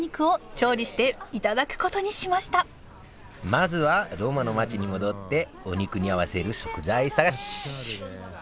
まずはローマの街に戻ってお肉に合わせる食材探し！